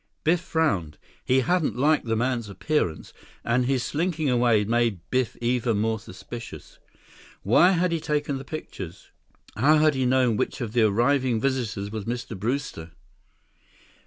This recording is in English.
24 Biff frowned. He hadn't liked the man's appearance, and his slinking away made Biff even more suspicious. Why had he taken the pictures? How had he known which of the arriving visitors was Mr. Brewster?